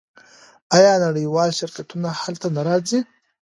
آیا نړیوال شرکتونه هلته نه راځي؟